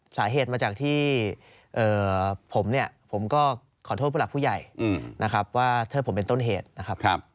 สาเหตุมาจากที่ผมเนี่ยผมก็ขอโทษผู้หลักผู้ใหญ่นะครับว่าถ้าผมเป็นต้นเหตุนะครับ